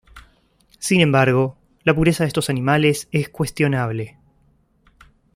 Sin embargo, la pureza de estos animales es cuestionable.